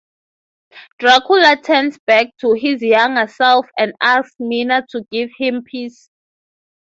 Dracula turns back to his younger self and asks Mina to give him peace.